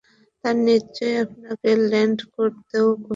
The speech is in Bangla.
তারা নিশ্চয়ই আপনাকে ল্যান্ড করতেও দেখে ফেলেছে।